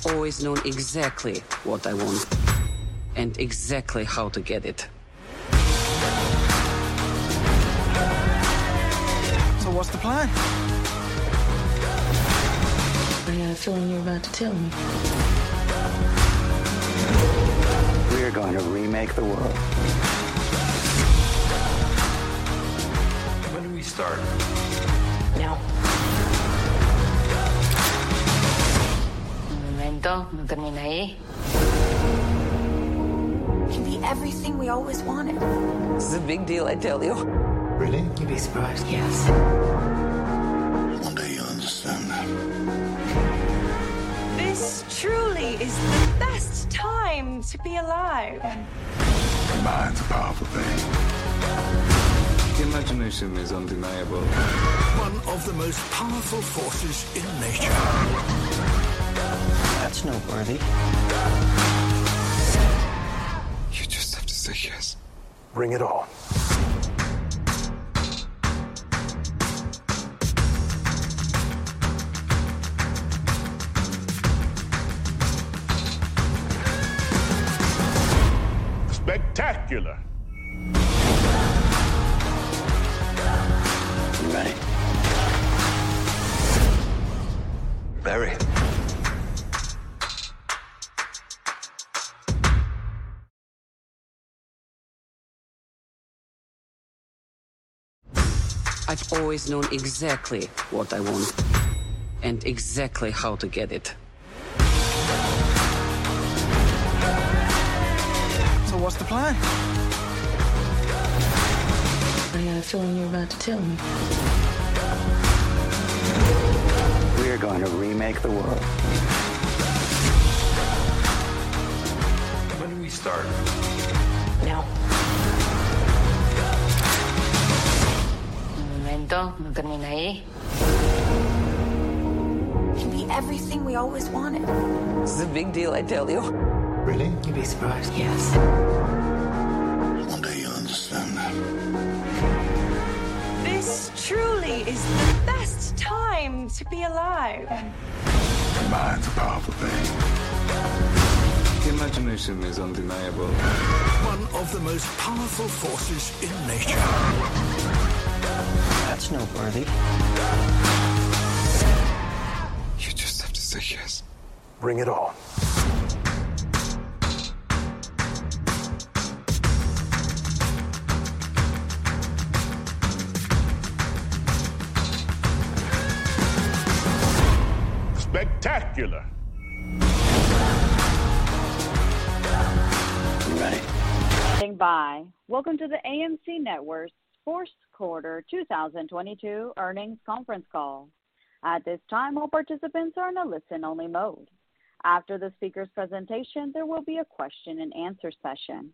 Standing by. Welcome to the AMC Networks' First Quarter 2022 Earnings Conference Call. At this time, all participants are in a listen-only mode. After the speakers' presentation, there will be a question-and-answer session.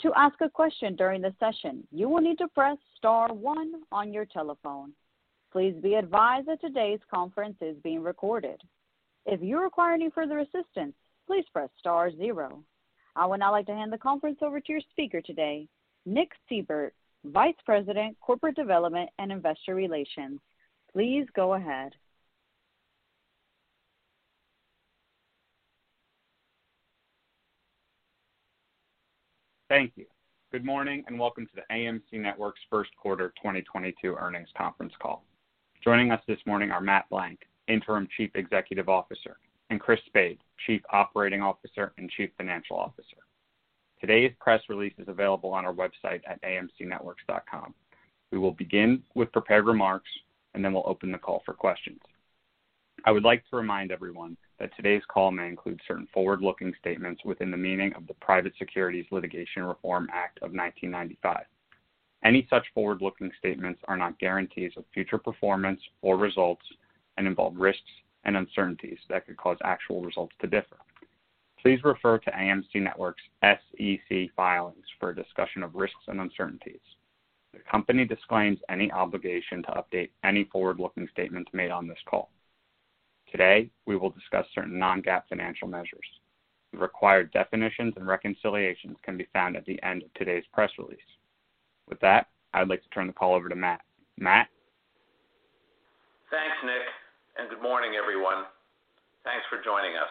To ask a question during the session, you will need to press star one on your telephone. Please be advised that today's conference is being recorded. If you require any further assistance, please press star zero. I would now like to hand the conference over to your speaker today, Nick Seibert, Vice President, Corporate Development and Investor Relations. Please go ahead. Thank you. Good morning and welcome to the AMC Networks' First Quarter 2022 Earnings Conference Call. Joining us this morning are Matt Blank, Interim Chief Executive Officer, and Christina Spade, Chief Operating Officer and Chief Financial Officer. Today's press release is available on our website at amcnetworks.com. We will begin with prepared remarks and then we'll open the call for questions. I would like to remind everyone that today's call may include certain forward-looking statements within the meaning of the Private Securities Litigation Reform Act of 1995. Any such forward-looking statements are not guarantees of future performance or results and involve risks and uncertainties that could cause actual results to differ. Please refer to AMC Networks' SEC filings for a discussion of risks and uncertainties. The company disclaims any obligation to update any forward-looking statements made on this call. Today, we will discuss certain non-GAAP financial measures. The required definitions and reconciliations can be found at the end of today's press release. With that, I'd like to turn the call over to Matt. Matt? Good morning, everyone. Thanks for joining us.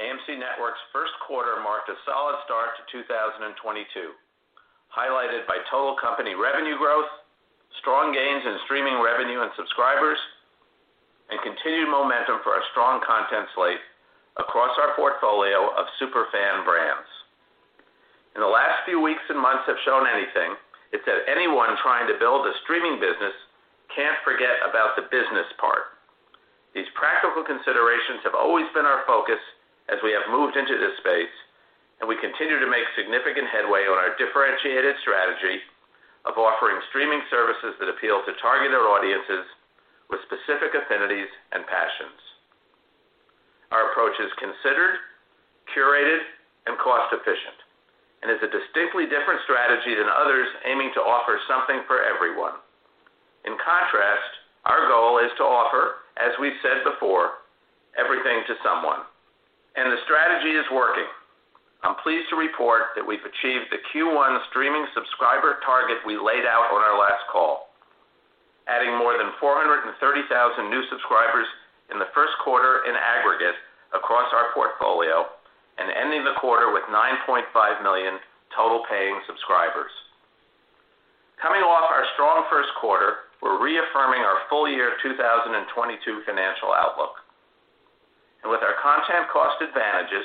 AMC Networks' first quarter marked a solid start to 2022, highlighted by total company revenue growth, strong gains in streaming revenue and subscribers, and continued momentum for our strong content slate across our portfolio of super fan brands. If the last few weeks and months have shown anything, it's that anyone trying to build a streaming business can't forget about the business part. These practical considerations have always been our focus as we have moved into this space, and we continue to make significant headway on our differentiated strategy of offering streaming services that appeal to targeted audiences with specific affinities and passions. Our approach is considered, curated, and cost efficient, and is a distinctly different strategy than others aiming to offer something for everyone. In contrast, our goal is to offer, as we've said before, everything to someone, and the strategy is working. I'm pleased to report that we've achieved the Q1 streaming subscriber target we laid out on our last call, adding more than 430,000 new subscribers in the first quarter in aggregate across our portfolio and ending the quarter with 9.5 million total paying subscribers. Coming off our strong first quarter, we're reaffirming our full year 2022 financial outlook. With our content cost advantages,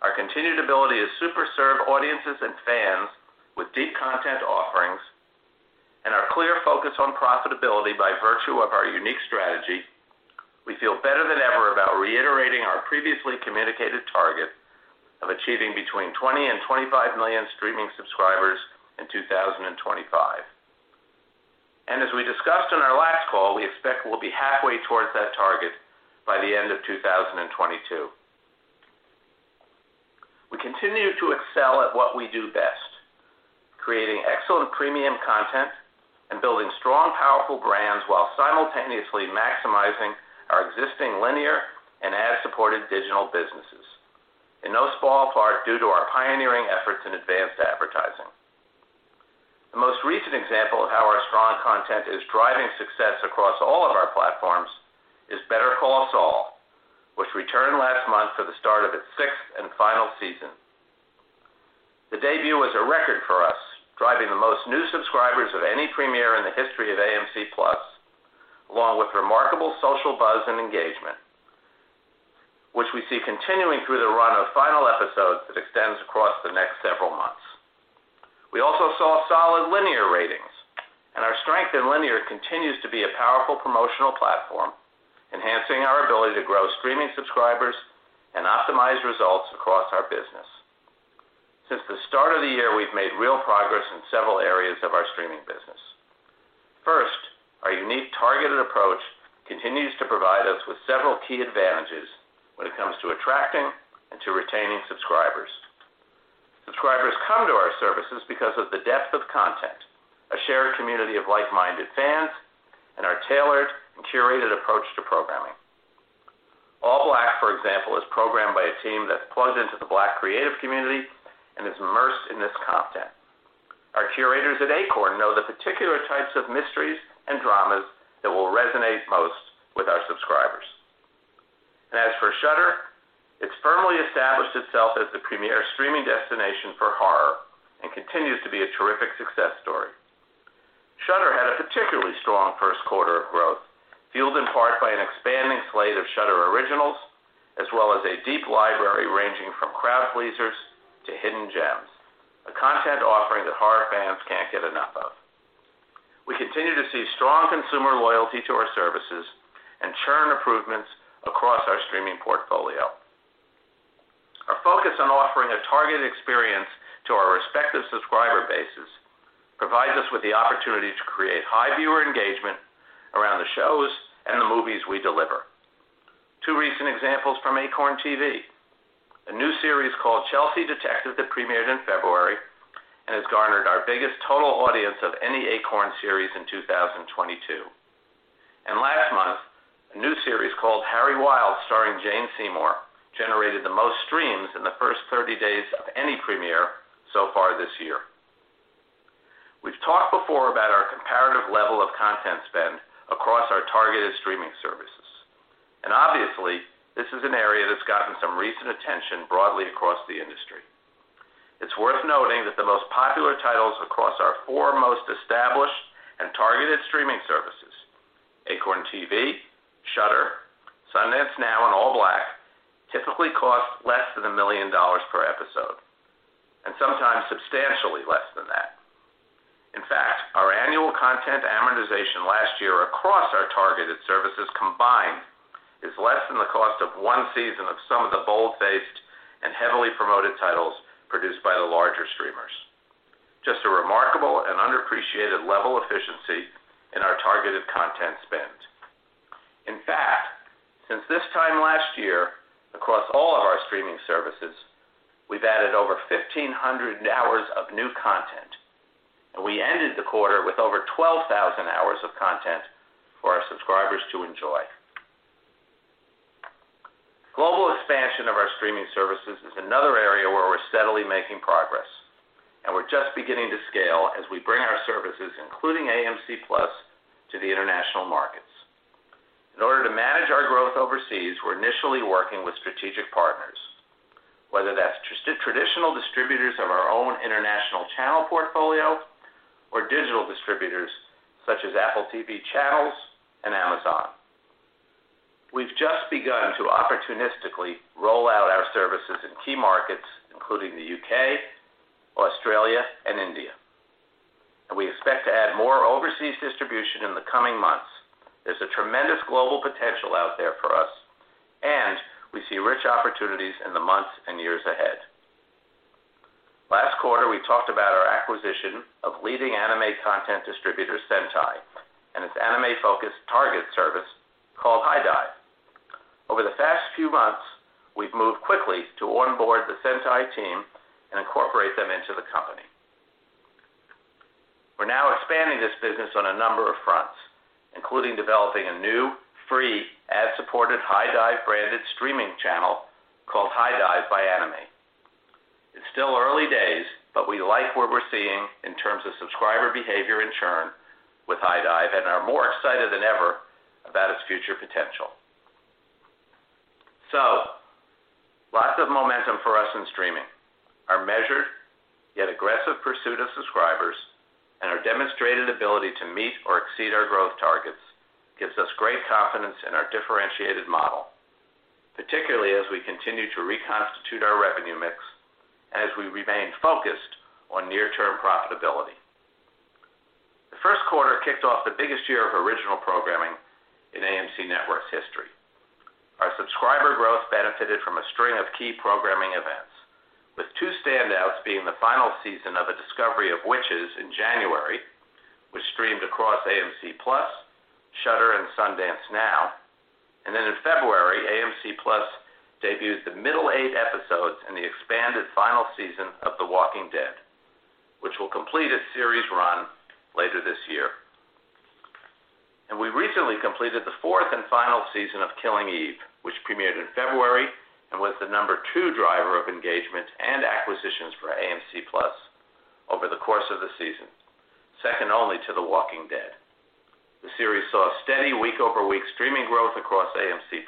our continued ability to super serve audiences and fans with deep content offerings, and our clear focus on profitability by virtue of our unique strategy, we feel better than ever about reiterating our previously communicated target of achieving between 20 and 25 million streaming subscribers in 2025. As we discussed on our last call, we expect we'll be halfway towards that target by the end of 2022. We continue to excel at what we do best, creating excellent premium content and building strong, powerful brands while simultaneously maximizing our existing linear and ad-supported digital businesses. Those are fueled by our pioneering efforts in advanced advertising. The most recent example of how our strong content is driving success across all of our platforms is Better Call Saul, which returned last month for the start of its sixth and final season. The debut was a record for us, driving the most new subscribers of any premiere in the history of AMC+ along with remarkable social buzz and engagement, which we see continuing through the run of final episodes that extends across the next several months. We also saw solid linear ratings, and our strength in linear continues to be a powerful promotional platform, enhancing our ability to grow streaming subscribers and optimize results across our business. Since the start of the year, we've made real progress in several areas of our streaming business. First, our unique targeted approach continues to provide us with several key advantages when it comes to attracting and to retaining subscribers. Subscribers come to our services because of the depth of content, a shared community of like-minded fans, and our tailored and curated approach to programming. ALLBLK, for example, is programmed by a team that's plugged into the Black creative community and is immersed in this content. Our curators at Acorn know the particular types of mysteries and dramas that will resonate most with our subscribers. As for Shudder, it's firmly established itself as the premier streaming destination for horror and continues to be a terrific success story. Shudder had a particularly strong first quarter of growth, fueled in part by an expanding slate of Shudder originals, as well as a deep library ranging from crowd pleasers to hidden gems, a content offering that horror fans can't get enough of. We continue to see strong consumer loyalty to our services and churn improvements across our streaming portfolio. Our focus on offering a targeted experience to our respective subscriber bases provides us with the opportunity to create high viewer engagement around the shows and the movies we deliver. Two recent examples from Acorn TV, a new series called The Chelsea Detective that premiered in February and has garnered our biggest total audience of any Acorn series in 2022. Last month, a new series called Harry Wild starring Jane Seymour generated the most streams in the first 30 days of any premiere so far this year. We've talked before about our comparative level of content spend across our targeted streaming services, and obviously, this is an area that's gotten some recent attention broadly across the industry. It's worth noting that the most popular titles across our four most established and targeted streaming services, Acorn TV, Shudder, Sundance Now, and ALLBLK, typically cost less than $1 million per episode, and sometimes substantially less than that. In fact, our annual content amortization last year across our targeted services combined is less than the cost of one season of some of the boldfaced and heavily promoted titles produced by the larger streamers. Just a remarkable and underappreciated level of efficiency in our targeted content spend. In fact, since this time last year, across all of our streaming services, we've added over 1,500 hours of new content, and we ended the quarter with over 12,000 hours of content for our subscribers to enjoy. Global expansion of our streaming services is another area where we're steadily making progress, and we're just beginning to scale as we bring our services, including AMC+ to the international markets. In order to manage our growth overseas, we're initially working with strategic partners, whether that's traditional distributors of our own international channel portfolio or digital distributors such as Apple TV Channels and Amazon. We've just begun to opportunistically roll out our services in key markets, including the U.K., Australia, and India, and we expect to add more overseas distribution in the coming months. There's a tremendous global potential out there for us, and we see rich opportunities in the months and years ahead. Last quarter, we talked about our acquisition of leading anime content distributor Sentai and its anime-focused target service called HIDIVE. Over the past few months, we've moved quickly to onboard the Sentai team and incorporate them into the company. We're now expanding this business on a number of fronts, including developing a new free ad-supported HIDIVE branded streaming channel called ANIME x HIDIVE. It's still early days, but we like what we're seeing in terms of subscriber behavior and churn with HIDIVE and are more excited than ever about its future potential. Lots of momentum for us in streaming. Our measured yet aggressive pursuit of subscribers and our demonstrated ability to meet or exceed our growth targets gives us great confidence in our differentiated model, particularly as we continue to reconstitute our revenue mix as we remain focused on near-term profitability. The first quarter kicked off the biggest year of original programming in AMC Networks history. Our subscriber growth benefited from a string of key programming events, with two standouts being the final season of A Discovery of Witches in January, which streamed across AMC+, Shudder, and Sundance Now. In February, AMC+ debuted the middle eight episodes in the expanded final season of The Walking Dead, which will complete its series run later this year. We recently completed the fourth and final season of Killing Eve, which premiered in February and was the number 2 driver of engagement and acquisitions for AMC+ over the course of the season, second only to The Walking Dead. The series saw steady week-over-week streaming growth across AMC+,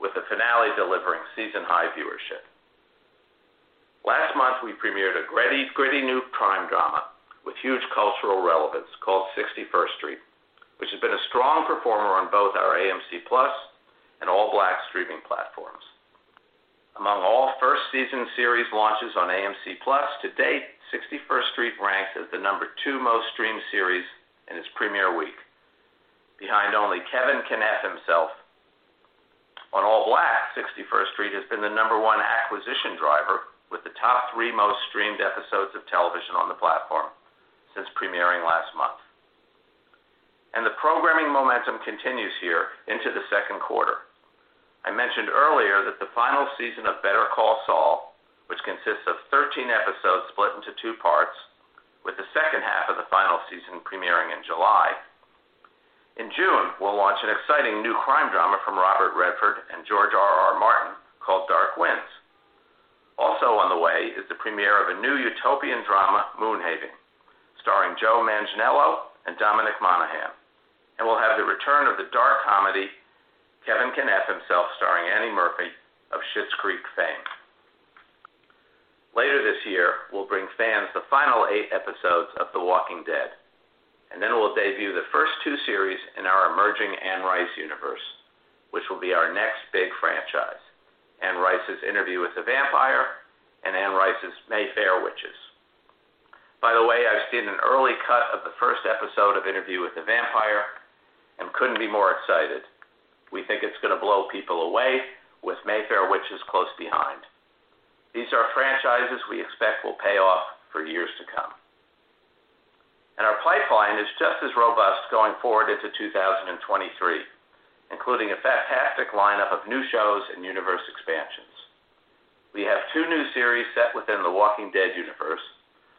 with the finale delivering season-high viewership. Last month, we premiered a gritty new crime drama with huge cultural relevance called 61st Street, which has been a strong performer on both our AMC+ and ALLBLK streaming platforms. Among all first season series launches on AMC+ to date, 61st Street ranks as the number two most streamed series in its premiere week, behind only Kevin Can F Himself. On ALLBLK, 61st Street has been the number one acquisition driver with the top three most streamed episodes of television on the platform since premiering last month. The programming momentum continues here into the second quarter. I mentioned earlier that the final season of Better Call Saul, which consists of 13 episodes split into two parts, with the second half of the final season premiering in July. In June, we'll launch an exciting new crime drama from Robert Redford and George R.R. Martin called Dark Winds. Also on the way is the premiere of a new utopian drama, Moonhaven, starring Joe Manganiello and Dominic Monaghan, and we'll have the return of the dark comedy, Kevin Can F Himself, starring Annie Murphy of Schitt's Creek fame. Later this year, we'll bring fans the final eight episodes of The Walking Dead, and then we'll debut the first two series in our emerging Anne Rice's Universe, which will be our next big franchise. Anne Rice's Interview with the Vampire and Anne Rice's Mayfair Witches. By the way, I've seen an early cut of the first episode of Interview with the Vampire and couldn't be more excited. We think it's gonna blow people away, with Mayfair Witches close behind. These are franchises we expect will pay off for years to come. Our pipeline is just as robust going forward into 2023, including a fantastic lineup of new shows and universe expansions. We have two new series set within The Walking Dead universe,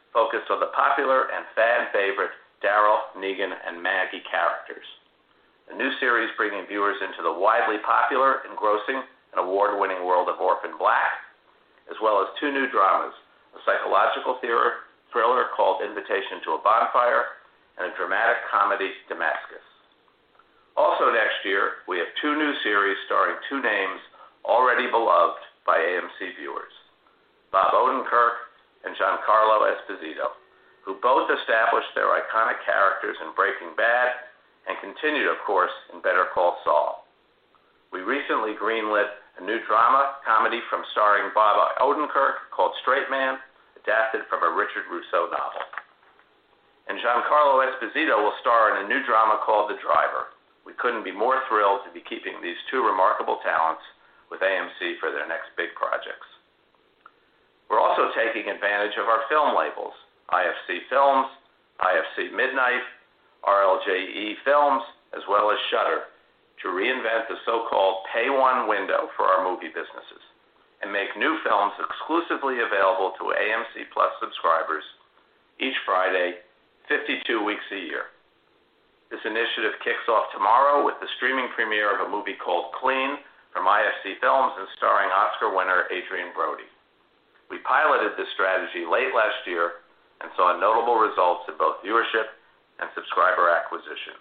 focused on the popular and fan-favorite Daryl, Negan, and Maggie characters. The new series bringing viewers into the widely popular, engrossing, and award-winning world of Orphan Black, as well as two new dramas, a psychological thriller called Invitation to a Bonfire, and a dramatic comedy, Demascus. Also next year, we have two new series starring two names already beloved by AMC viewers, Bob Odenkirk and Giancarlo Esposito, who both established their iconic characters in Breaking Bad and continue, of course, in Better Call Saul. We recently greenlit a new drama comedy starring Bob Odenkirk called Straight Man, adapted from a Richard Russo novel. Giancarlo Esposito will star in a new drama called The Driver. We couldn't be more thrilled to be keeping these two remarkable talents with AMC for their next big projects. We're also taking advantage of our film labels, IFC Films, IFC Midnight, RLJE Films, as well as Shudder, to reinvent the so-called pay one window for our movie business. Make new films exclusively available to AMC+ subscribers each Friday, 52 weeks a year. This initiative kicks off tomorrow with the streaming premiere of a movie called Clean from IFC Films and starring Oscar winner Adrien Brody. We piloted this strategy late last year and saw notable results in both viewership and subscriber acquisition.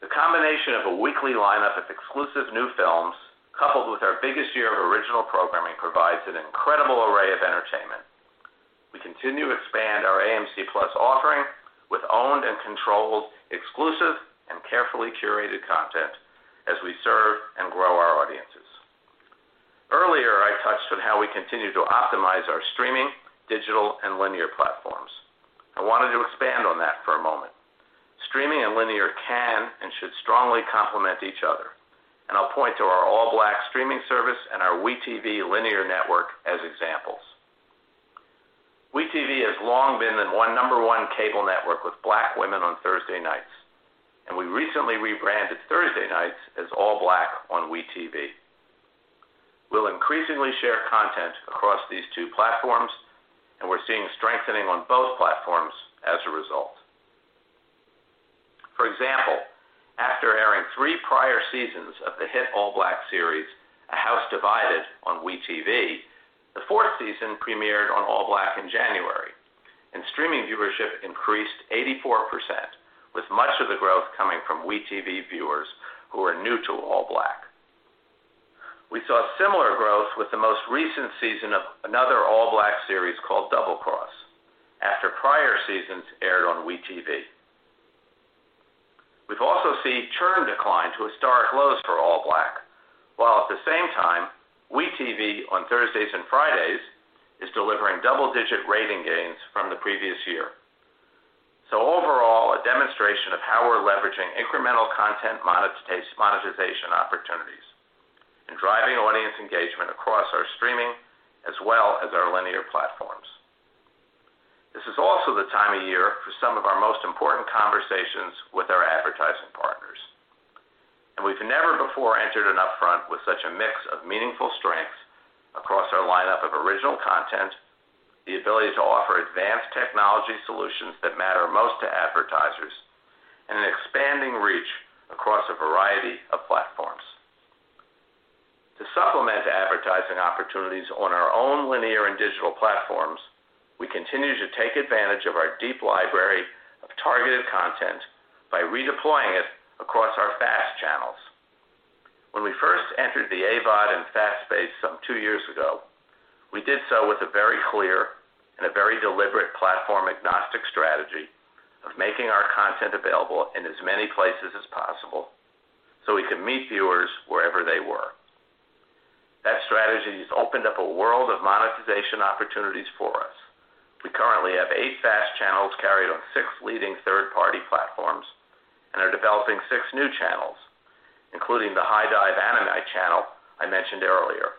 The combination of a weekly lineup of exclusive new films, coupled with our biggest year of original programming, provides an incredible array of entertainment. We continue to expand our AMC+ offering with owned and controlled exclusive and carefully curated content as we serve and grow our audiences. Earlier, I touched on how we continue to optimize our streaming, digital, and linear platforms. I wanted to expand on that for a moment. Streaming and linear can and should strongly complement each other, and I'll point to our ALLBLK streaming service and our WE tv linear network as examples. WE tv has long been the number one cable network with Black women on Thursday nights, and we recently rebranded Thursday nights as ALLBLK on WE tv. We'll increasingly share content across these two platforms, and we're seeing strengthening on both platforms as a result. For example, after airing three prior seasons of the hit ALLBLK series, A House Divided, on WE tv, the fourth season premiered on ALLBLK in January, and streaming viewership increased 84%, with much of the growth coming from WE tv viewers who are new to ALLBLK. We saw similar growth with the most recent season of another ALLBLK series called Double Cross after prior seasons aired on WE tv. We've also seen churn decline to historic lows for ALLBLK, while at the same time, WE tv on Thursdays and Fridays is delivering double-digit rating gains from the previous year. Overall, a demonstration of how we're leveraging incremental content monetization opportunities and driving audience engagement across our streaming as well as our linear platforms. This is also the time of year for some of our most important conversations with our advertising partners, and we've never before entered an upfront with such a mix of meaningful strengths across our lineup of original content, the ability to offer advanced technology solutions that matter most to advertisers and an expanding reach across a variety of platforms. To supplement advertising opportunities on our own linear and digital platforms, we continue to take advantage of our deep library of targeted content by redeploying it across our FAST channels. When we first entered the AVOD and FAST phase some two years ago, we did so with a very clear and a very deliberate platform-agnostic strategy of making our content available in as many places as possible, so we could meet viewers wherever they were. That strategy has opened up a world of monetization opportunities for us. We currently have eight FAST channels carried on six leading third-party platforms and are developing six new channels, including the ANIME x HIDIVE channel I mentioned earlier.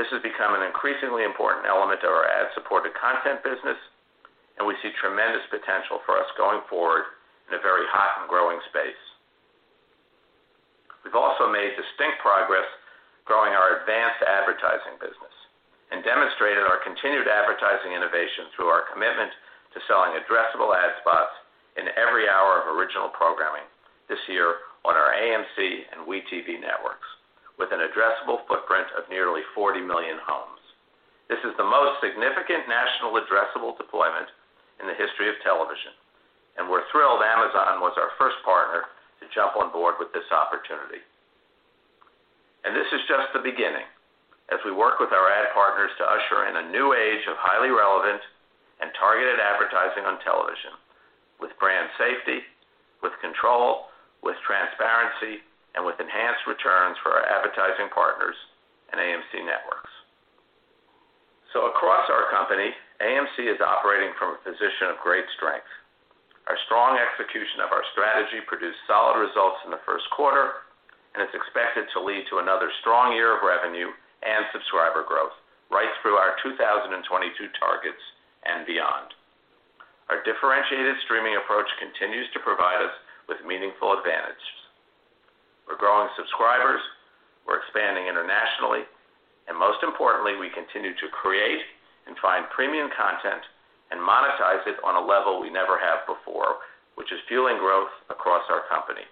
This has become an increasingly important element of our ad-supported content business, and we see tremendous potential for us going forward in a very hot and growing space. We've also made distinct progress growing our advanced advertising business and demonstrated our continued advertising innovation through our commitment to selling addressable ad spots in every hour of original programming this year on our AMC and WE tv networks with an addressable footprint of nearly 40 million homes. This is the most significant national addressable deployment in the history of television, and we're thrilled Amazon was our first partner to jump on board with this opportunity. This is just the beginning as we work with our ad partners to usher in a new age of highly relevant and targeted advertising on television with brand safety, with control, with transparency, and with enhanced returns for our advertising partners and AMC Networks. Across our company, AMC is operating from a position of great strength. Our strong execution of our strategy produced solid results in the first quarter and is expected to lead to another strong year of revenue and subscriber growth right through our 2022 targets and beyond. Our differentiated streaming approach continues to provide us with meaningful advantages. We're growing subscribers, we're expanding internationally, and most importantly, we continue to create and find premium content and monetize it on a level we never have before, which is fueling growth across our company.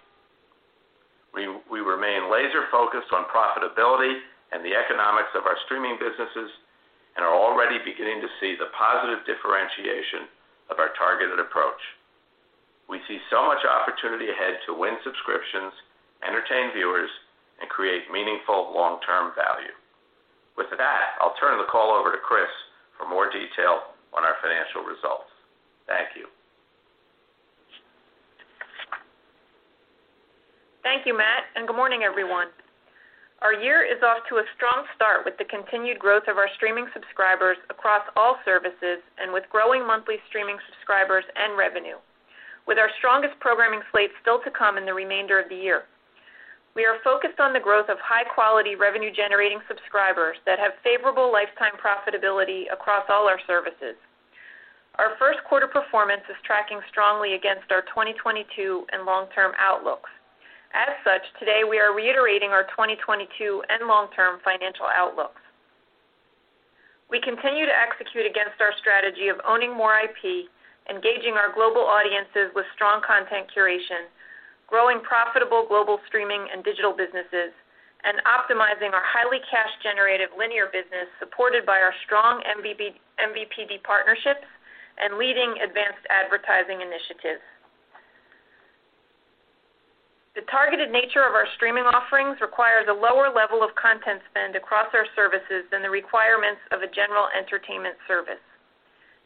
We remain laser-focused on profitability and the economics of our streaming businesses and are already beginning to see the positive differentiation of our targeted approach. We see so much opportunity ahead to win subscriptions, entertain viewers, and create meaningful long-term value. With that, I'll turn the call over to Chris for more detail on our financial results. Thank you. Thank you, Matt, and good morning, everyone. Our year is off to a strong start with the continued growth of our streaming subscribers across all services and with growing monthly streaming subscribers and revenue, with our strongest programming slate still to come in the remainder of the year. We are focused on the growth of high-quality revenue-generating subscribers that have favorable lifetime profitability across all our services. Our first quarter performance is tracking strongly against our 2022 and long-term outlooks. As such, today we are reiterating our 2022 and long-term financial outlooks. We continue to execute against our strategy of owning more IP, engaging our global audiences with strong content curation, growing profitable global streaming and digital businesses, and optimizing our highly cash generative linear business supported by our strong MVPD partnerships and leading advanced advertising initiatives. The targeted nature of our streaming offerings requires a lower level of content spend across our services than the requirements of a general entertainment service.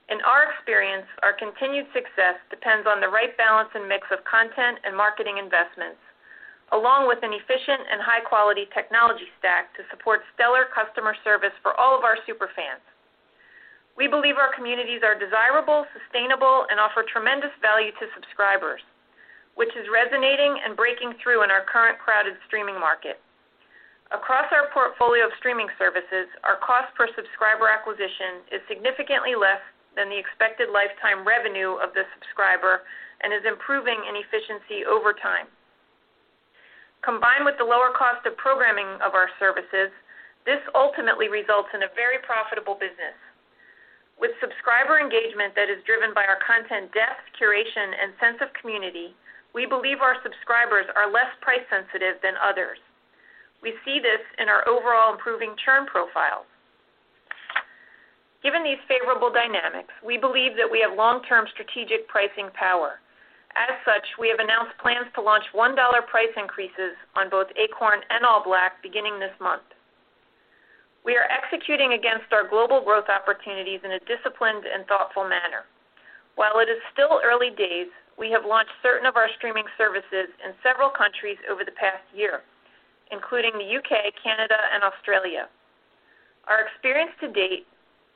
In our experience, our continued success depends on the right balance and mix of content and marketing investments, along with an efficient and high-quality technology stack to support stellar customer service for all of our super fans. We believe our communities are desirable, sustainable, and offer tremendous value to subscribers, which is resonating and breaking through in our current crowded streaming market. Across our portfolio of streaming services, our cost per subscriber acquisition is significantly less than the expected lifetime revenue of the subscriber and is improving in efficiency over time. Combined with the lower cost of programming of our services, this ultimately results in a very profitable business. With subscriber engagement that is driven by our content depth, curation, and sense of community, we believe our subscribers are less price-sensitive than others. We see this in our overall improving churn profiles. Given these favorable dynamics, we believe that we have long-term strategic pricing power. As such, we have announced plans to launch $1 price increases on both Acorn and ALLBLK beginning this month. We are executing against our global growth opportunities in a disciplined and thoughtful manner. While it is still early days, we have launched certain of our streaming services in several countries over the past year, including the U.K., Canada, and Australia. Our experience to date,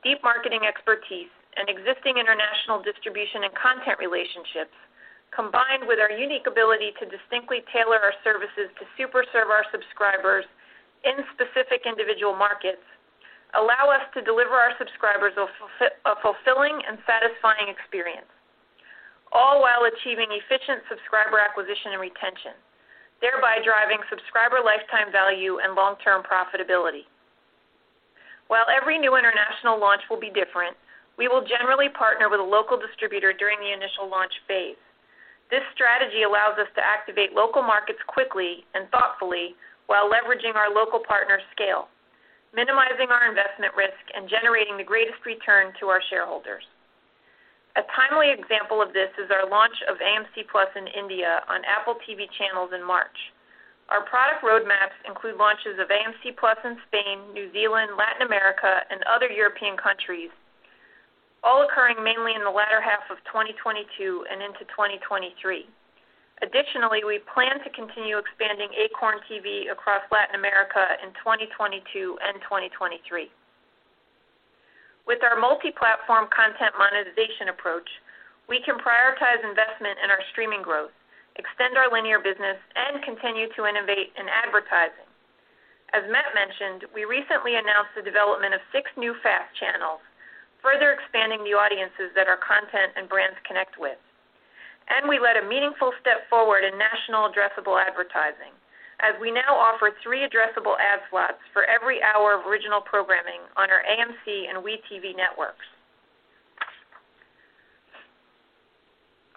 deep marketing expertise and existing international distribution and content relationships, combined with our unique ability to distinctly tailor our services to super serve our subscribers in specific individual markets, allow us to deliver our subscribers a fulfilling and satisfying experience, all while achieving efficient subscriber acquisition and retention, thereby driving subscriber lifetime value and long-term profitability. While every new international launch will be different, we will generally partner with a local distributor during the initial launch phase. This strategy allows us to activate local markets quickly and thoughtfully while leveraging our local partner scale, minimizing our investment risk, and generating the greatest return to our shareholders. A timely example of this is our launch of AMC+ in India on Apple TV Channels in March. Our product road maps include launches of AMC+ in Spain, New Zealand, Latin America, and other European countries, all occurring mainly in the latter half of 2022 and into 2023. Additionally, we plan to continue expanding Acorn TV across Latin America in 2022 and 2023. With our multi-platform content monetization approach, we can prioritize investment in our streaming growth, extend our linear business, and continue to innovate in advertising. As Matt mentioned, we recently announced the development of six new FAST channels, further expanding the audiences that our content and brands connect with. We led a meaningful step forward in national addressable advertising, as we now offer three addressable ad slots for every hour of original programming on our AMC and WE tv networks.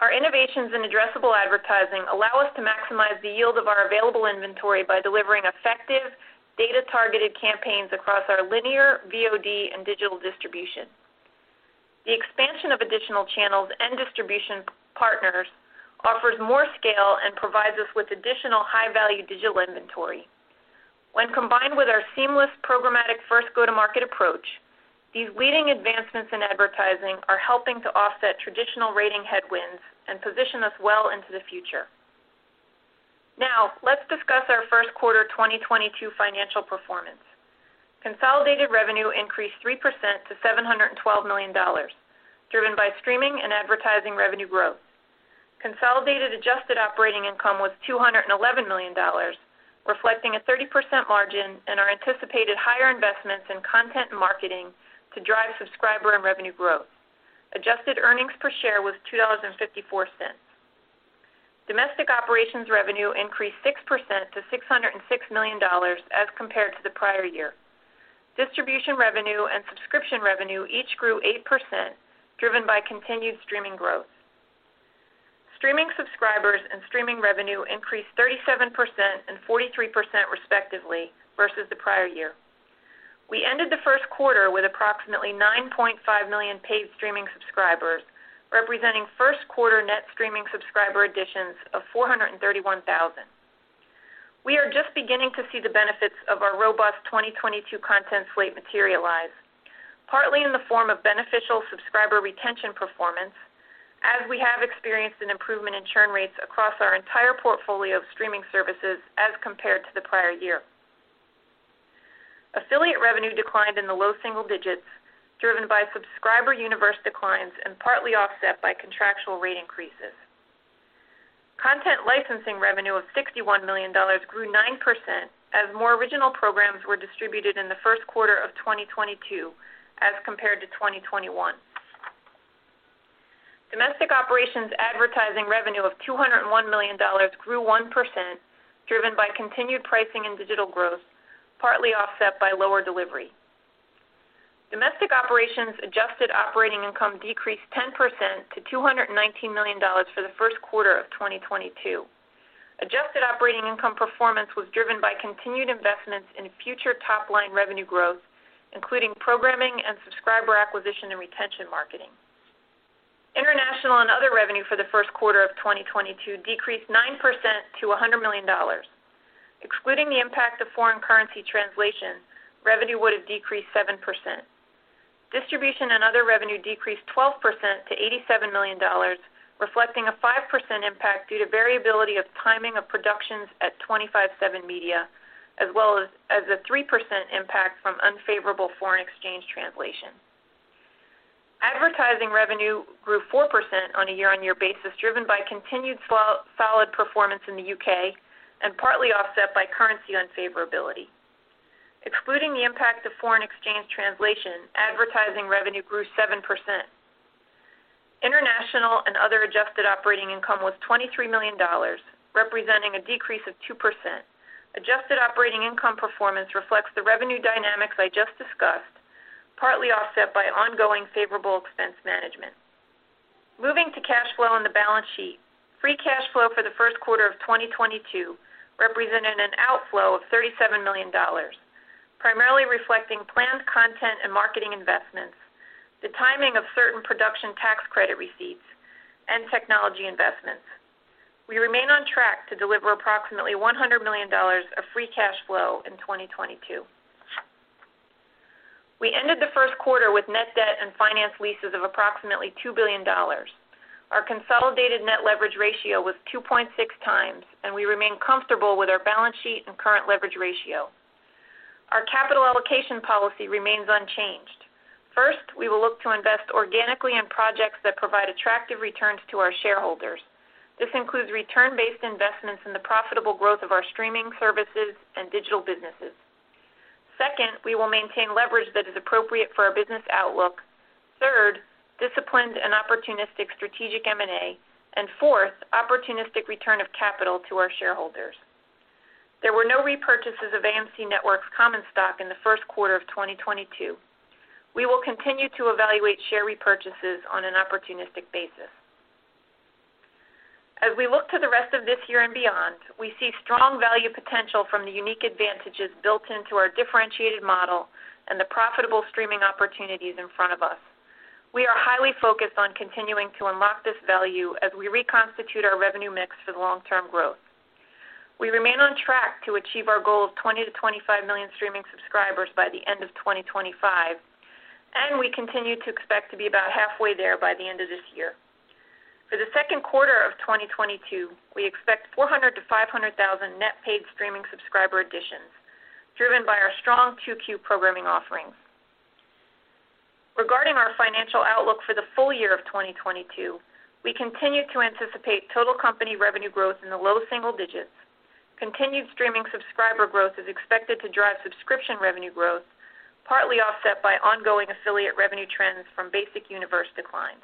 Our innovations in addressable advertising allow us to maximize the yield of our available inventory by delivering effective data-targeted campaigns across our linear, VOD, and digital distribution. The expansion of additional channels and distribution partners offers more scale and provides us with additional high-value digital inventory. When combined with our seamless programmatic first go-to-market approach, these leading advancements in advertising are helping to offset traditional rating headwinds and position us well into the future. Now let's discuss our first quarter 2022 financial performance. Consolidated revenue increased 3% to $712 million, driven by streaming and advertising revenue growth. Consolidated adjusted operating income was $211 million, reflecting a 30% margin and our anticipated higher investments in content and marketing to drive subscriber and revenue growth. Adjusted earnings per share was $2.54. Domestic operations revenue increased 6% to $606 million as compared to the prior year. Distribution revenue and subscription revenue each grew 8%, driven by continued streaming growth. Streaming subscribers and streaming revenue increased 37% and 43% respectively versus the prior year. We ended the first quarter with approximately 9.5 million paid streaming subscribers, representing first quarter net streaming subscriber additions of 431,000. We are just beginning to see the benefits of our robust 2022 content slate materialize, partly in the form of beneficial subscriber retention performance, as we have experienced an improvement in churn rates across our entire portfolio of streaming services as compared to the prior year. Affiliate revenue declined in the low single digits%, driven by subscriber universe declines and partly offset by contractual rate increases. Content licensing revenue of $61 million grew 9% as more original programs were distributed in the first quarter of 2022 as compared to 2021. Domestic operations advertising revenue of $201 million grew 1%, driven by continued pricing and digital growth, partly offset by lower delivery. Domestic operations adjusted operating income decreased 10% to $219 million for the first quarter of 2022. Adjusted operating income performance was driven by continued investments in future top-line revenue growth, including programming and subscriber acquisition and retention marketing. International and other revenue for the first quarter of 2022 decreased 9% to $100 million. Excluding the impact of foreign currency translation, revenue would have decreased 7%. Distribution and other revenue decreased 12% to $87 million, reflecting a 5% impact due to variability of timing of productions at 25/7 Media, as well as a 3% impact from unfavorable foreign exchange translation. Advertising revenue grew 4% on a year-on-year basis, driven by continued solid performance in the U.K. and partly offset by currency unfavorability. Excluding the impact of foreign exchange translation, advertising revenue grew 7%. International and other adjusted operating income was $23 million, representing a decrease of 2%. Adjusted operating income performance reflects the revenue dynamics I just discussed, partly offset by ongoing favorable expense management. Moving to cash flow and the balance sheet. Free cash flow for the first quarter of 2022 represented an outflow of $37 million, primarily reflecting planned content and marketing investments, the timing of certain production tax credit receipts, and technology investments. We remain on track to deliver approximately $100 million of free cash flow in 2022. We ended the first quarter with net debt and finance leases of approximately $2 billion. Our consolidated net leverage ratio was 2.6 times, and we remain comfortable with our balance sheet and current leverage ratio. Our capital allocation policy remains unchanged. First, we will look to invest organically in projects that provide attractive returns to our shareholders. This includes return-based investments in the profitable growth of our streaming services and digital businesses. Second, we will maintain leverage that is appropriate for our business outlook. Third, disciplined and opportunistic strategic M&A. Fourth, opportunistic return of capital to our shareholders. There were no repurchases of AMC Networks common stock in the first quarter of 2022. We will continue to evaluate share repurchases on an opportunistic basis. As we look to the rest of this year and beyond, we see strong value potential from the unique advantages built into our differentiated model and the profitable streaming opportunities in front of us. We are highly focused on continuing to unlock this value as we reconstitute our revenue mix for the long-term growth. We remain on track to achieve our goal of 20-25 million streaming subscribers by the end of 2025, and we continue to expect to be about halfway there by the end of this year. For the second quarter of 2022, we expect 400-500,000 net paid streaming subscriber additions, driven by our strong Q2 programming offerings. Regarding our financial outlook for the full year of 2022, we continue to anticipate total company revenue growth in the low single digits%. Continued streaming subscriber growth is expected to drive subscription revenue growth, partly offset by ongoing affiliate revenue trends from basic universe declines.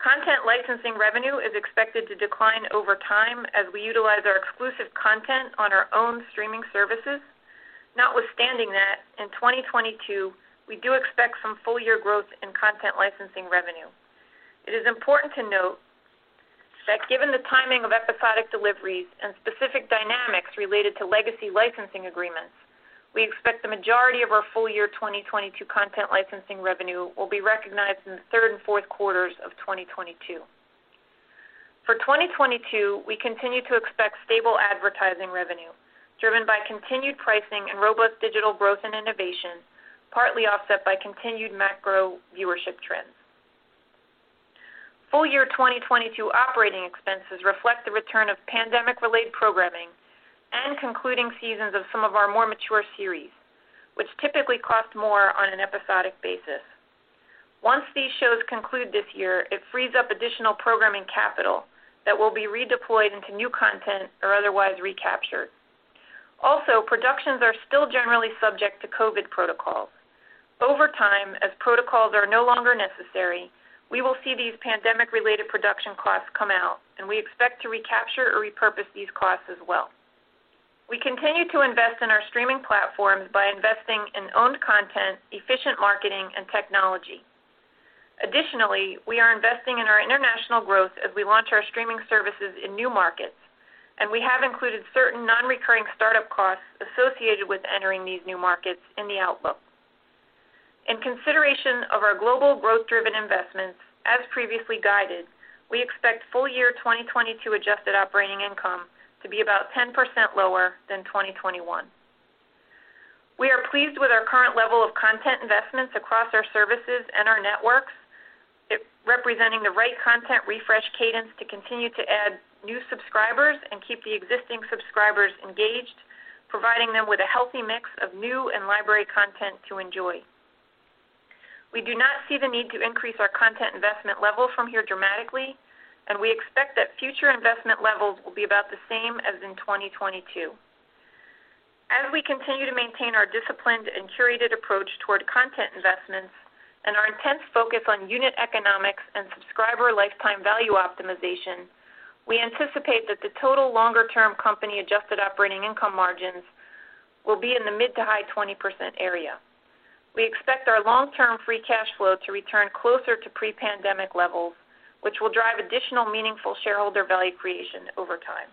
Content licensing revenue is expected to decline over time as we utilize our exclusive content on our own streaming services. Notwithstanding that, in 2022, we do expect some full year growth in content licensing revenue. It is important to note that given the timing of episodic deliveries and specific dynamics related to legacy licensing agreements, we expect the majority of our full year 2022 content licensing revenue will be recognized in the third and fourth quarters of 2022. For 2022, we continue to expect stable advertising revenue driven by continued pricing and robust digital growth and innovation, partly offset by continued macro viewership trends. Full year 2022 operating expenses reflect the return of pandemic-related programming and concluding seasons of some of our more mature series, which typically cost more on an episodic basis. Once these shows conclude this year, it frees up additional programming capital that will be redeployed into new content or otherwise recaptured. Also, productions are still generally subject to COVID protocols. Over time, as protocols are no longer necessary, we will see these pandemic-related production costs come out, and we expect to recapture or repurpose these costs as well. We continue to invest in our streaming platforms by investing in owned content, efficient marketing, and technology. Additionally, we are investing in our international growth as we launch our streaming services in new markets, and we have included certain non-recurring startup costs associated with entering these new markets in the outlook. In consideration of our global growth-driven investments, as previously guided, we expect full year 2022 adjusted operating income to be about 10% lower than 2021. We are pleased with our current level of content investments across our services and our networks. It representing the right content refresh cadence to continue to add new subscribers and keep the existing subscribers engaged, providing them with a healthy mix of new and library content to enjoy. We do not see the need to increase our content investment levels from here dramatically, and we expect that future investment levels will be about the same as in 2022. As we continue to maintain our disciplined and curated approach toward content investments and our intense focus on unit economics and subscriber lifetime value optimization, we anticipate that the total longer-term company adjusted operating income margins will be in the mid- to high-20% area. We expect our long-term free cash flow to return closer to pre-pandemic levels, which will drive additional meaningful shareholder value creation over time.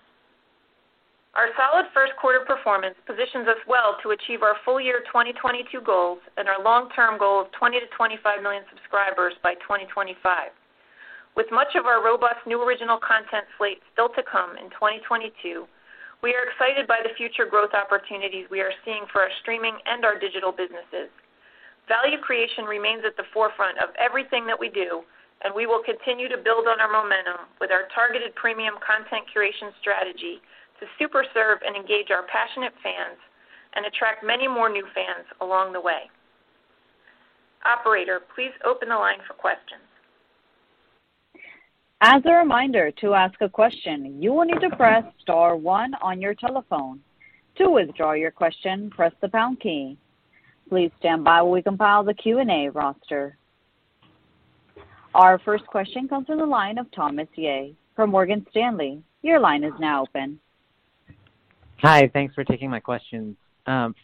Our solid first quarter performance positions us well to achieve our full year 2022 goals and our long-term goal of 20-25 million subscribers by 2025. With much of our robust new original content slate still to come in 2022, we are excited by the future growth opportunities we are seeing for our streaming and our digital businesses. Value creation remains at the forefront of everything that we do, and we will continue to build on our momentum with our targeted premium content curation strategy to super serve and engage our passionate fans and attract many more new fans along the way. Operator, please open the line for questions. As a reminder, to ask a question, you will need to press star one on your telephone. To withdraw your question, press the pound key. Please stand by while we compile the Q&A roster. Our first question comes from the line of Thomas Yeh from Morgan Stanley. Your line is now open. Hi. Thanks for taking my questions.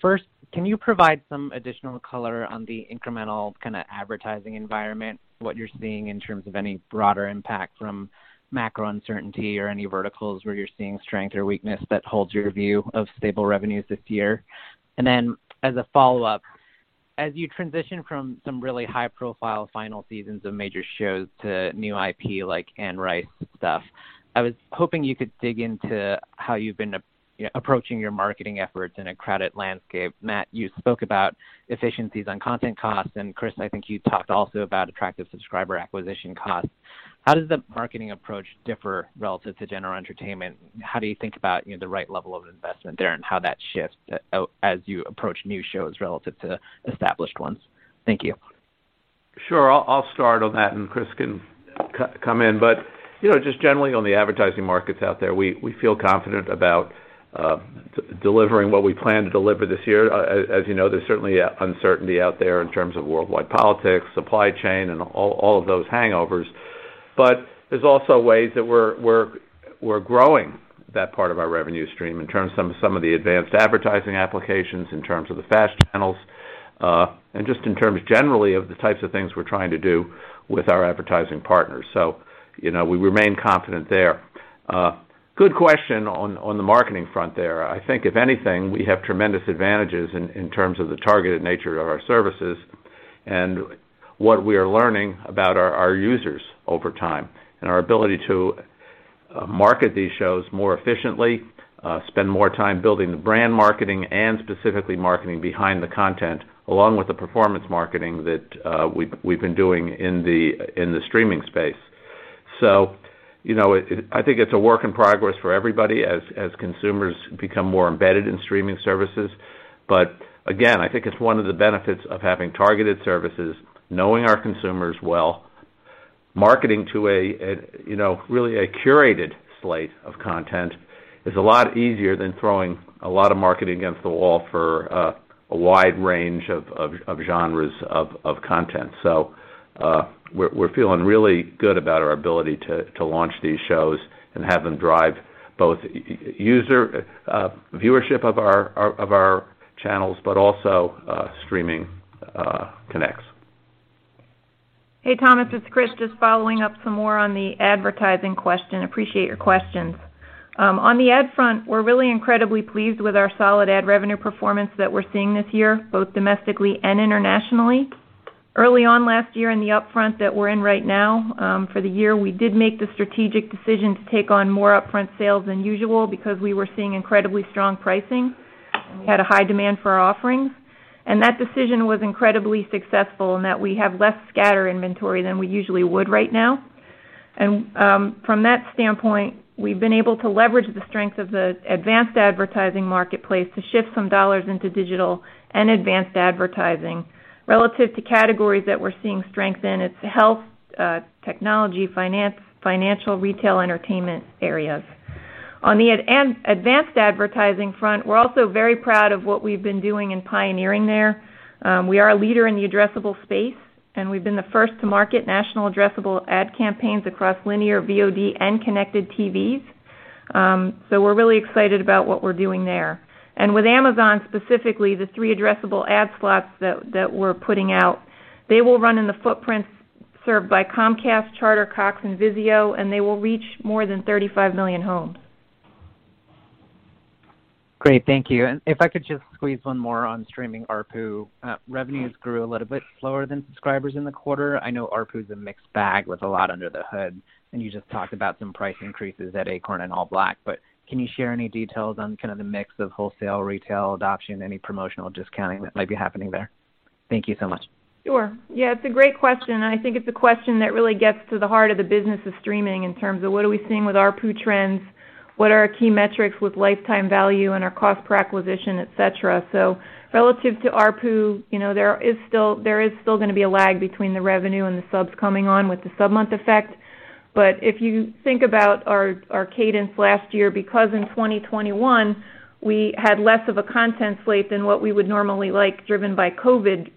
First, can you provide some additional color on the incremental kind of advertising environment, what you're seeing in terms of any broader impact from macro uncertainty or any verticals where you're seeing strength or weakness that holds your view of stable revenues this year? Then as a follow-up, as you transition from some really high-profile final seasons of major shows to new IP like Anne Rice stuff, I was hoping you could dig into how you've been you know, approaching your marketing efforts in a crowded landscape. Matt, you spoke about efficiencies on content costs, and Chris, I think you talked also about attractive subscriber acquisition costs. How does the marketing approach differ relative to general entertainment? How do you think about, you know, the right level of investment there and how that shifts as you approach new shows relative to established ones? Thank you. Sure. I'll start on that, and Chris can come in. You know, just generally on the advertising markets out there, we feel confident about delivering what we plan to deliver this year. As you know, there's certainly uncertainty out there in terms of worldwide politics, supply chain, and all of those hangovers. There's also ways that we're growing that part of our revenue stream in terms of some of the advanced advertising applications, in terms of the FAST channels, and just in terms generally of the types of things we're trying to do with our advertising partners. You know, we remain confident there. Good question on the marketing front there. I think if anything, we have tremendous advantages in terms of the targeted nature of our services and what we are learning about our users over time and our ability to market these shows more efficiently, spend more time building the brand marketing and specifically marketing behind the content, along with the performance marketing that we've been doing in the streaming space. You know, I think it's a work in progress for everybody as consumers become more embedded in streaming services. Again, I think it's one of the benefits of having targeted services, knowing our consumers well. Marketing to, you know, really a curated slate of content is a lot easier than throwing a lot of marketing against the wall for a wide range of genres of content. We're feeling really good about our ability to launch these shows and have them drive both user viewership of our channels, but also streaming connects. Hey, Thomas, it's Chris, just following up some more on the advertising question. Appreciate your questions. On the ad front, we're really incredibly pleased with our solid ad revenue performance that we're seeing this year, both domestically and internationally. Early on last year in the upfront that we're in right now, for the year, we did make the strategic decision to take on more upfront sales than usual because we were seeing incredibly strong pricing. We had a high demand for our offerings. That decision was incredibly successful in that we have less scatter inventory than we usually would right now. From that standpoint, we've been able to leverage the strength of the advanced advertising marketplace to shift some dollars into digital and advanced advertising. Relative to categories that we're seeing strength in, it's health, technology, finance, financial, retail, entertainment areas. On the advanced advertising front, we're also very proud of what we've been doing in pioneering there. We are a leader in the addressable space, and we've been the first to market national addressable ad campaigns across linear VOD and connected TVs. We're really excited about what we're doing there. With Amazon, specifically, the three addressable ad slots that we're putting out, they will run in the footprints served by Comcast, Charter, Cox, and Vizio, and they will reach more than 35 million homes. Great. Thank you. If I could just squeeze one more on streaming ARPU. Revenues grew a little bit slower than subscribers in the quarter. I know ARPU is a mixed bag with a lot under the hood, and you just talked about some price increases at Acorn and ALLBLK. Can you share any details on kind of the mix of wholesale, retail adoption, any promotional discounting that might be happening there? Thank you so much. Sure. Yeah, it's a great question, and I think it's a question that really gets to the heart of the business of streaming in terms of what are we seeing with ARPU trends, what are our key metrics with lifetime value and our cost per acquisition, et cetera. Relative to ARPU, you know, there is still gonna be a lag between the revenue and the subs coming on with the sub-month effect. If you think about our cadence last year, because in 2021, we had less of a content slate than what we would normally like, driven by COVID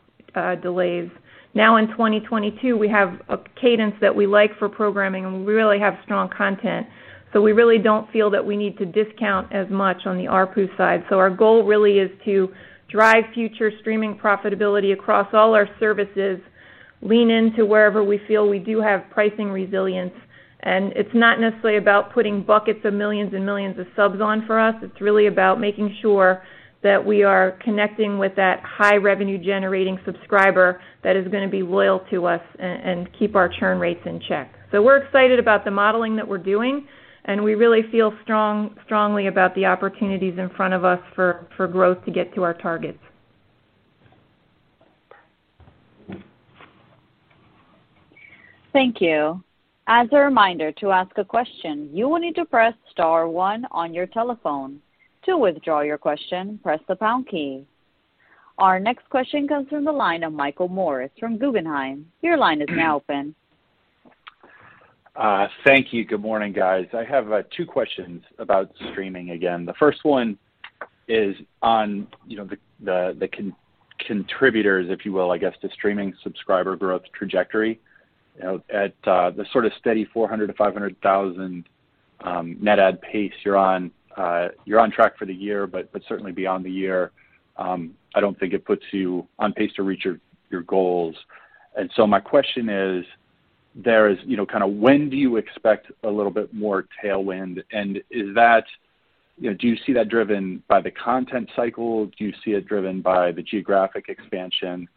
delays. Now in 2022, we have a cadence that we like for programming, and we really have strong content. We really don't feel that we need to discount as much on the ARPU side. Our goal really is to drive future streaming profitability across all our services, lean into wherever we feel we do have pricing resilience. It's not necessarily about putting buckets of millions and millions of subs on for us. It's really about making sure that we are connecting with that high revenue generating subscriber that is gonna be loyal to us and keep our churn rates in check. We're excited about the modeling that we're doing, and we really feel strongly about the opportunities in front of us for growth to get to our targets. Thank you. As a reminder to ask a question, you will need to press star one on your telephone. To withdraw your question, press the pound key. Our next question comes from the line of Michael Morris from Guggenheim. Your line is now open. Thank you. Good morning, guys. I have two questions about streaming again. The first one is on, you know, the contributors, if you will, I guess, to streaming subscriber growth trajectory. You know, at the sort of steady 400-500,000 net add pace you're on, you're on track for the year, but certainly beyond the year, I don't think it puts you on pace to reach your goals. My question is, there is, you know, kinda when do you expect a little bit more tailwind. You know, do you see that driven by the content cycle. Do you see it driven by the geographic expansion.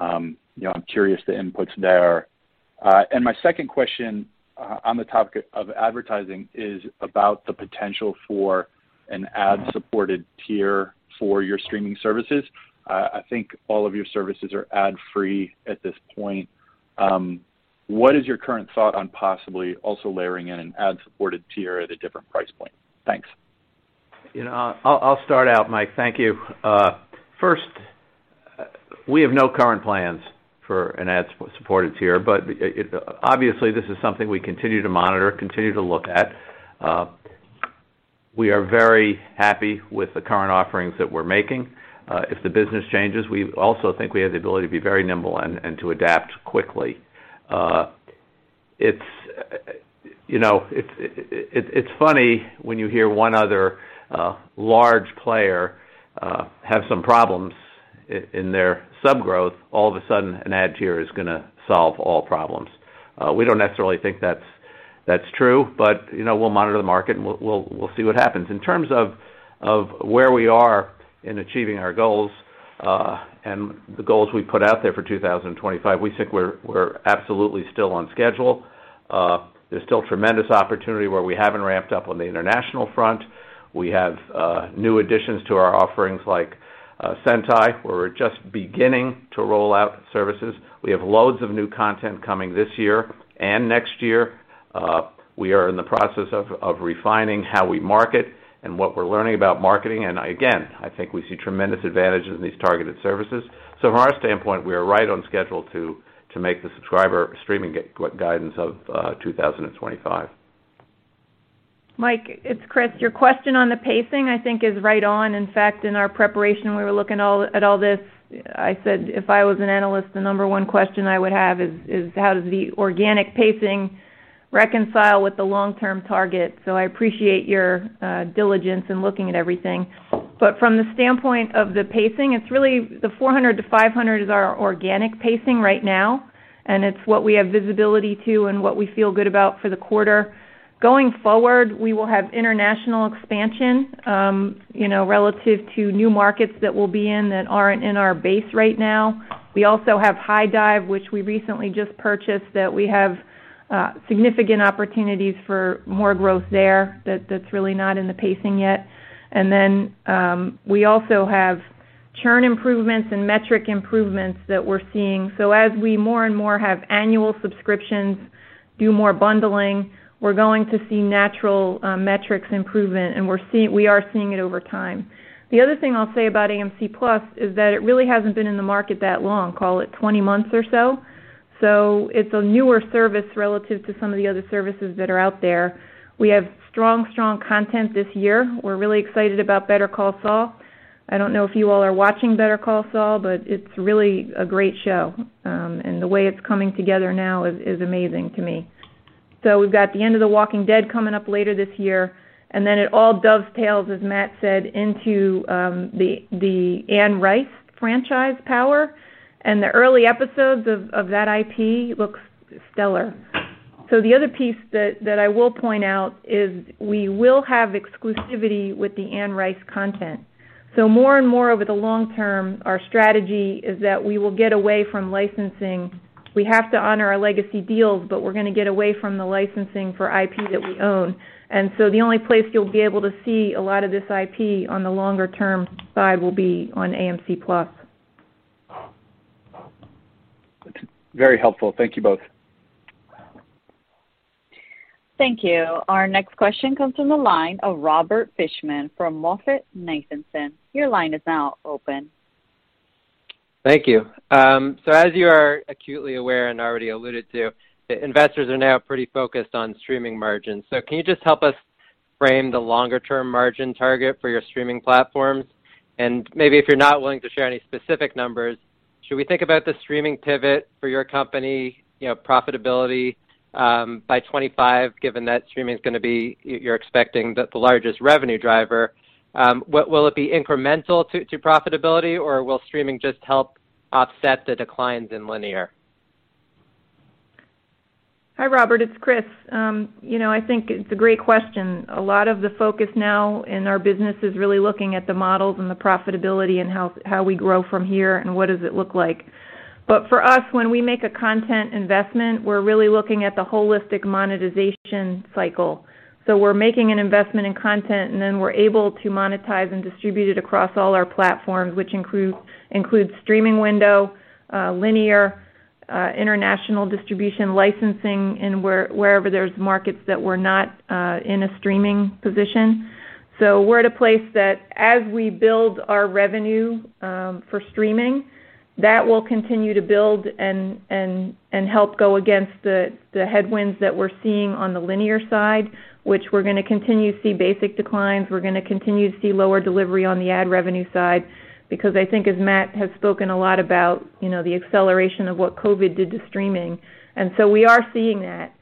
You know, I'm curious the inputs there. My second question, on the topic of advertising is about the potential for an ad-supported tier for your streaming services. I think all of your services are ad-free at this point. What is your current thought on possibly also layering in an ad-supported tier at a different price point? Thanks. You know, I'll start out, Mike. Thank you. First, we have no current plans for an ad-supported tier, but obviously, this is something we continue to monitor, continue to look at. We are very happy with the current offerings that we're making. If the business changes, we also think we have the ability to be very nimble and to adapt quickly. It's you know, it's funny when you hear one other large player have some problems in their sub growth, all of a sudden an ad tier is gonna solve all problems. We don't necessarily think that's true, but you know, we'll monitor the market and we'll see what happens. In terms of where we are in achieving our goals, and the goals we put out there for 2025, we think we're absolutely still on schedule. There's still tremendous opportunity where we haven't ramped up on the international front. We have new additions to our offerings like Sentai, where we're just beginning to roll out services. We have loads of new content coming this year and next year. We are in the process of refining how we market and what we're learning about marketing. Again, I think we see tremendous advantage in these targeted services. From our standpoint, we are right on schedule to make the subscriber streaming guidance of 2025. Mike, it's Chris. Your question on the pacing, I think is right on. In fact, in our preparation, we were looking at all this. I said, "If I was an analyst, the number one question I would have is how does the organic pacing reconcile with the long-term target?" I appreciate your diligence in looking at everything. From the standpoint of the pacing, it's really the 400-500 is our organic pacing right now, and it's what we have visibility to and what we feel good about for the quarter. Going forward, we will have international expansion, you know, relative to new markets that we'll be in that aren't in our base right now. We also have HIDIVE, which we recently just purchased that we have significant opportunities for more growth there that that's really not in the pacing yet. We also have churn improvements and metric improvements that we're seeing. As we more and more have annual subscriptions, do more bundling, we're going to see natural metrics improvement, and we are seeing it over time. The other thing I'll say about AMC+ is that it really hasn't been in the market that long, call it 20 months or so. It's a newer service relative to some of the other services that are out there. We have strong content this year. We're really excited about Better Call Saul. I don't know if you all are watching Better Call Saul, but it's really a great show. The way it's coming together now is amazing to me. We've got the end of The Walking Dead coming up later this year, and then it all dovetails, as Matt said, into the Anne Rice franchise power. The early episodes of that IP looks stellar. The other piece that I will point out is we will have exclusivity with the Anne Rice content. More and more over the long term, our strategy is that we will get away from licensing. We have to honor our legacy deals, but we're gonna get away from the licensing for IP that we own. The only place you'll be able to see a lot of this IP on the longer-term side will be on AMC+. Very helpful. Thank you both. Thank you. Our next question comes from the line of Robert Fishman from MoffettNathanson. Your line is now open. Thank you. As you are acutely aware and already alluded to, the investors are now pretty focused on streaming margins. Can you just help us frame the longer-term margin target for your streaming platforms? Maybe if you're not willing to share any specific numbers, should we think about the streaming pivot for your company, you know, profitability by 2025, given that streaming is, you're expecting the largest revenue driver, will it be incremental to profitability, or will streaming just help offset the declines in linear? Hi, Robert. It's Chris. You know, I think it's a great question. A lot of the focus now in our business is really looking at the models and the profitability and how we grow from here and what does it look like. For us, when we make a content investment, we're really looking at the holistic monetization cycle. We're making an investment in content, and then we're able to monetize and distribute it across all our platforms, which include streaming window, linear, international distribution licensing, and wherever there's markets that we're not in a streaming position. We're at a place that as we build our revenue for streaming, that will continue to build and help go against the headwinds that we're seeing on the linear side, which we're gonna continue to see basic declines. We're gonna continue to see lower delivery on the ad revenue side because I think as Matt has spoken a lot about, you know, the acceleration of what COVID did to streaming. We are seeing that.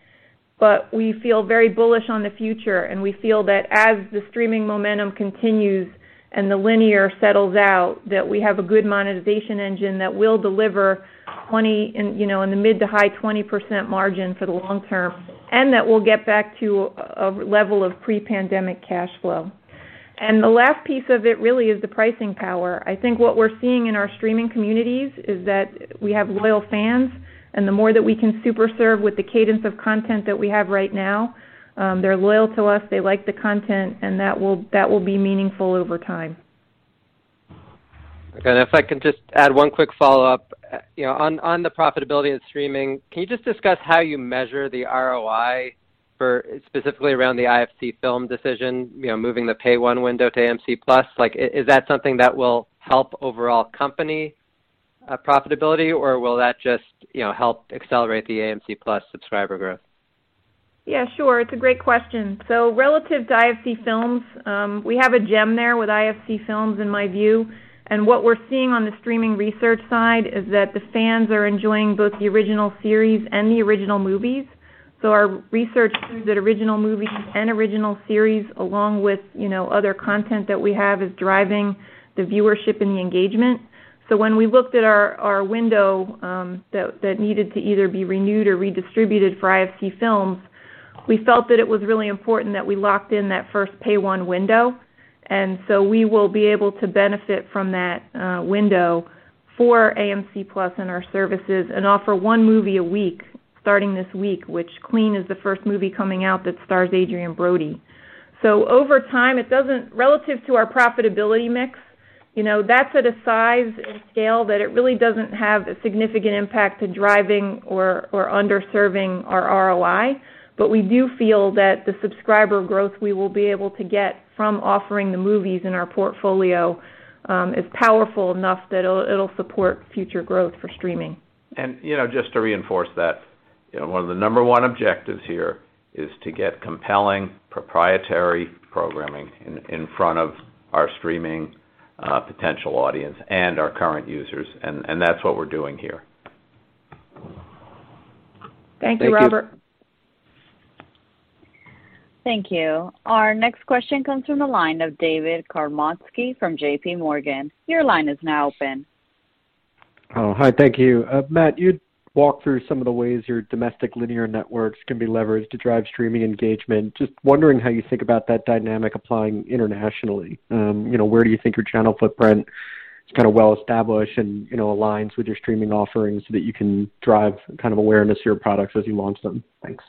We feel very bullish on the future, and we feel that as the streaming momentum continues and the linear settles out, that we have a good monetization engine that will deliver 20%, and, you know, in the mid- to high-20% margin for the long term, and that we'll get back to a level of pre-pandemic cash flow. The last piece of it really is the pricing power. I think what we're seeing in our streaming communities is that we have loyal fans, and the more that we can super serve with the cadence of content that we have right now, they're loyal to us, they like the content, and that will be meaningful over time. Okay. If I can just add one quick follow-up. You know, on the profitability and streaming, can you just discuss how you measure the ROI for specifically around the IFC Films decision, you know, moving the pay one window to AMC+? Like, is that something that will help overall company profitability, or will that just, you know, help accelerate the AMC+ subscriber growth? Yeah, sure. It's a great question. Relative to IFC Films, we have a gem there with IFC Films, in my view. What we're seeing on the streaming research side is that the fans are enjoying both the original series and the original movies. Our research proves that original movies and original series, along with, you know, other content that we have, is driving the viewership and the engagement. When we looked at our window that needed to either be renewed or redistributed for IFC Films, we felt that it was really important that we locked in that first pay-one window. We will be able to benefit from that window for AMC+ and our services and offer one movie a week starting this week, which, Clean, is the first movie coming out that stars Adrien Brody. Over time, it doesn't. Relative to our profitability mix, you know, that's at a size and scale that it really doesn't have a significant impact to driving or underserving our ROI. We do feel that the subscriber growth we will be able to get from offering the movies in our portfolio is powerful enough that it'll support future growth for streaming. You know, just to reinforce that, you know, one of the number one objectives here is to get compelling proprietary programming in front of our streaming potential audience and our current users, and that's what we're doing here. Thank you, Robert. Thank you. Thank you. Our next question comes from the line of David Karnovsky from J.P. Morgan. Your line is now open. Oh, hi. Thank you. Matt, you'd walk through some of the ways your domestic linear networks can be leveraged to drive streaming engagement. Just wondering how you think about that dynamic applying internationally. You know, where do you think your channel footprint is kinda well established and, you know, aligns with your streaming offerings so that you can drive kind of awareness to your products as you launch them? Thanks.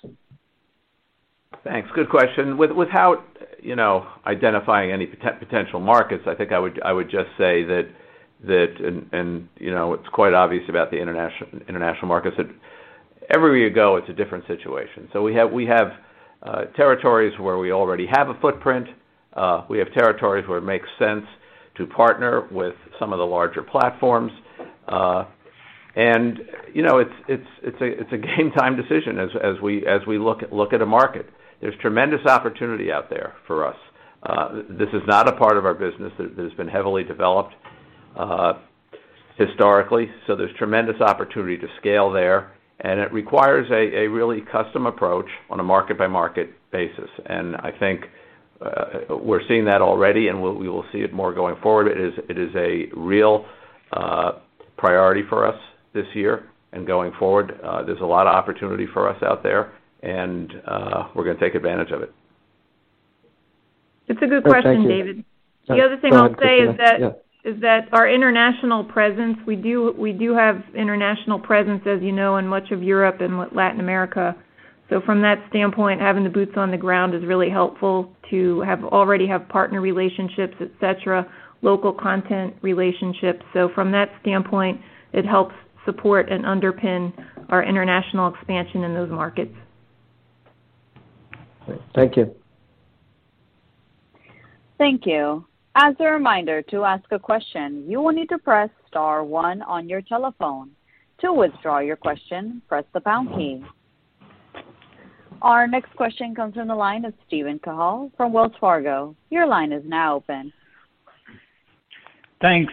Thanks. Good question. Without, you know, identifying any potential markets, I think I would just say that. You know, it's quite obvious about the international markets that everywhere you go, it's a different situation. We have territories where we already have a footprint. We have territories where it makes sense to partner with some of the larger platforms. You know, it's a game time decision as we look at a market. There's tremendous opportunity out there for us. This is not a part of our business that's been heavily developed historically, so there's tremendous opportunity to scale there. It requires a really custom approach on a market by market basis. I think we're seeing that already, and we will see it more going forward. It is a real priority for us this year and going forward. There's a lot of opportunity for us out there, and we're gonna take advantage of it. It's a good question, David. Thank you. The other thing I'll say is that. Yeah. In that our international presence, we do have international presence, as you know, in much of Europe and Latin America. From that standpoint, having the boots on the ground is really helpful. We already have partner relationships, et cetera, local content relationships. From that standpoint, it helps support and underpin our international expansion in those markets. Thank you. Thank you. As a reminder, to ask a question, you will need to press star one on your telephone. To withdraw your question, press the pound key. Our next question comes from the line of Steven Cahall from Wells Fargo. Your line is now open. Thanks.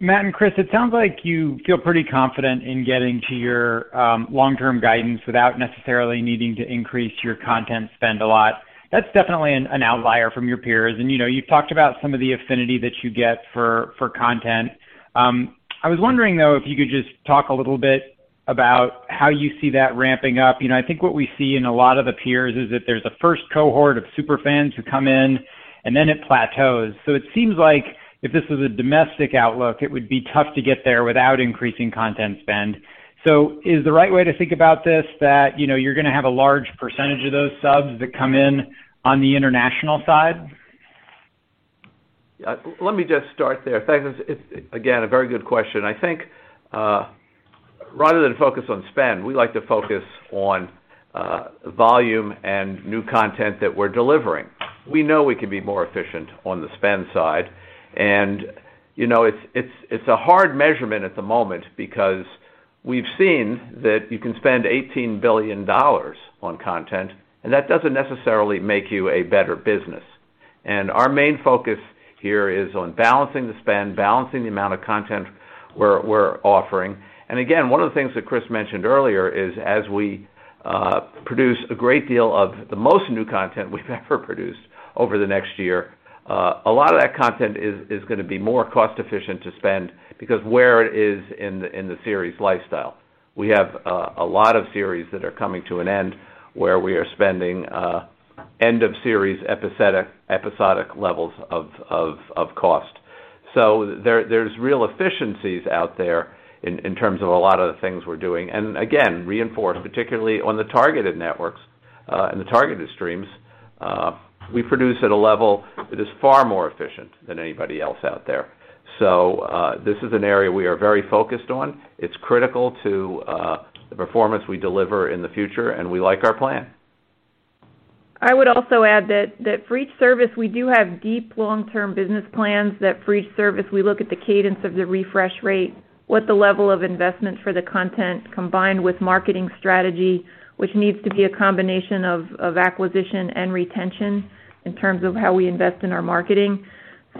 Matt and Chris, it sounds like you feel pretty confident in getting to your long-term guidance without necessarily needing to increase your content spend a lot. That's definitely an outlier from your peers. You know, you've talked about some of the affinity that you get for content. I was wondering, though, if you could just talk a little bit about how you see that ramping up. You know, I think what we see in a lot of the peers is that there's a first cohort of super fans who come in, and then it plateaus. It seems like if this was a domestic outlook, it would be tough to get there without increasing content spend. Is the right way to think about this that, you know, you're gonna have a large percentage of those subs that come in on the international side? Yeah. Let me just start there. Thanks. It's, again, a very good question. I think, rather than focus on spend, we like to focus on, volume and new content that we're delivering. We know we can be more efficient on the spend side. You know, it's a hard measurement at the moment because we've seen that you can spend $18 billion on content, and that doesn't necessarily make you a better business. Our main focus here is on balancing the spend, balancing the amount of content we're offering. Again, one of the things that Chris mentioned earlier is as we produce a great deal of the most new content we've ever produced over the next year, a lot of that content is gonna be more cost-efficient to spend because where it is in the, in the series lifecycle. We have a lot of series that are coming to an end where we are spending end of series episodic levels of cost. There's real efficiencies out there in terms of a lot of the things we're doing. Again, reinforced, particularly on the targeted networks and the targeted streams, we produce at a level that is far more efficient than anybody else out there. This is an area we are very focused on. It's critical to the performance we deliver in the future, and we like our plan. I would also add that for each service, we do have deep long-term business plans that for each service, we look at the cadence of the refresh rate, what the level of investment for the content combined with marketing strategy, which needs to be a combination of acquisition and retention in terms of how we invest in our marketing.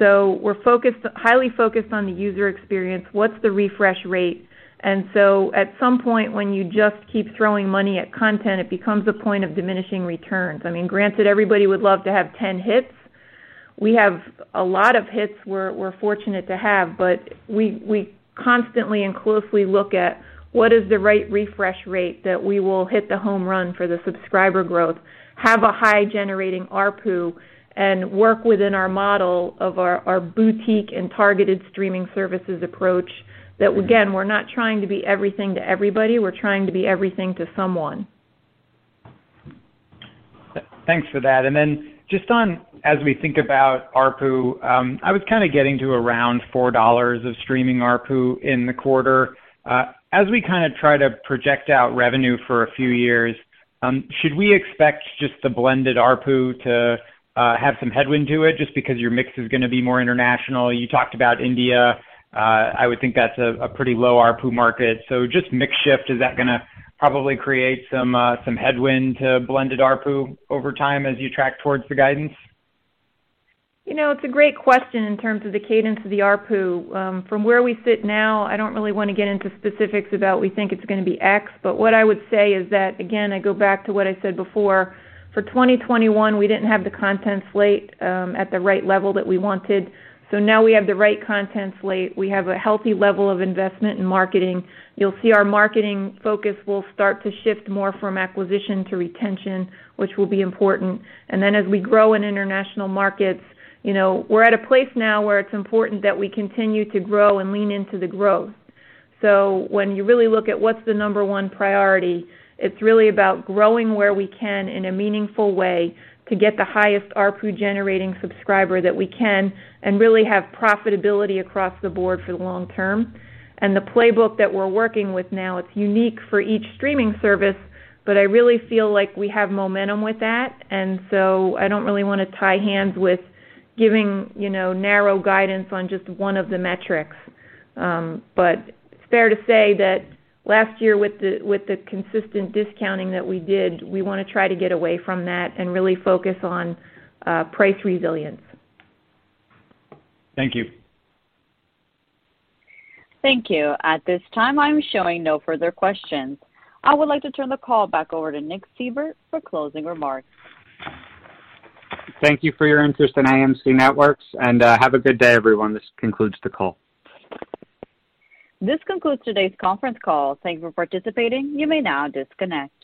We're focused, highly focused on the user experience, what's the refresh rate. At some point, when you just keep throwing money at content, it becomes a point of diminishing returns. I mean, granted, everybody would love to have 10 hits. We have a lot of hits we're fortunate to have, but we constantly and closely look at what is the right refresh rate that we will hit the home run for the subscriber growth, have a high generating ARPU, and work within our model of our boutique and targeted streaming services approach that again, we're not trying to be everything to everybody. We're trying to be everything to someone. Thanks for that. Just on as we think about ARPU, I was kinda getting to around $4 of streaming ARPU in the quarter. As we kinda try to project out revenue for a few years, should we expect just the blended ARPU to have some headwind to it just because your mix is gonna be more international? You talked about India. I would think that's a pretty low ARPU market. Just mix shift, is that gonna probably create some headwind to blended ARPU over time as you track towards the guidance? You know, it's a great question in terms of the cadence of the ARPU. From where we sit now, I don't really wanna get into specifics about we think it's gonna be X. What I would say is that, again, I go back to what I said before. For 2021, we didn't have the content slate at the right level that we wanted. Now we have the right content slate. We have a healthy level of investment in marketing. You'll see our marketing focus will start to shift more from acquisition to retention, which will be important. Then as we grow in international markets, you know, we're at a place now where it's important that we continue to grow and lean into the growth. When you really look at what's the number one priority, it's really about growing where we can in a meaningful way to get the highest ARPU generating subscriber that we can and really have profitability across the board for the long term. The playbook that we're working with now, it's unique for each streaming service, but I really feel like we have momentum with that. I don't really wanna tie hands with giving, you know, narrow guidance on just one of the metrics. It's fair to say that last year with the consistent discounting that we did, we wanna try to get away from that and really focus on price resilience. Thank you. Thank you. At this time, I'm showing no further questions. I would like to turn the call back over to Nick Seibert for closing remarks. Thank you for your interest in AMC Networks, and have a good day, everyone. This concludes the call. This concludes today's conference call. Thank you for participating. You may now disconnect.